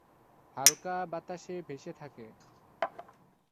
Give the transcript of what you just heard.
হালকা বাতাসে ভেসে থাকে।